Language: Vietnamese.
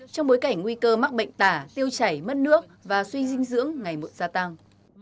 trong bối cảnh nguy cơ mắc bệnh tả tiêu chảy mất nước và suy dinh dưỡng ngày mượn gia tăng